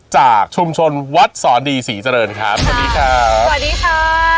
จากชุมชนวัดสอนดีศรีเจริญครับสวัสดีครับสวัสดีค่ะ